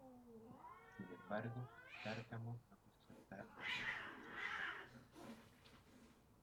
Sin embargo, Cárcamo no quiso aceptar las nuevas responsabilidades.